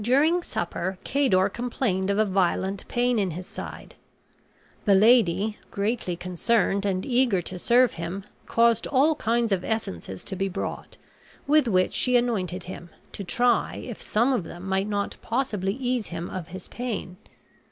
During supper Cador complained of a violent pain in his side. The lady, greatly concerned, and eager to serve him, caused all kinds of essences to be brought, with which she anointed him, to try if some of them might not possibly ease him of his pain.